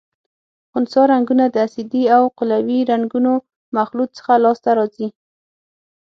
خنثی رنګونه د اسیدي او قلوي رنګونو مخلوط څخه لاس ته راځي.